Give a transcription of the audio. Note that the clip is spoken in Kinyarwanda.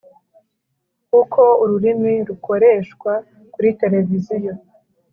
Uko ururimi rukoreshwa kuri televiziyo